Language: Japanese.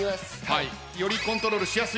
はい。